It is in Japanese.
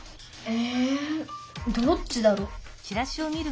えどっちだろう。